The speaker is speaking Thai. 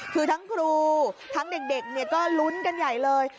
คือทั้งครูทั้งเด็กก็ลุ้นกันใหญ่เลย